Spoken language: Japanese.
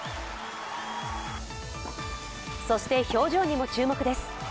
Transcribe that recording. そして、表情にも注目です。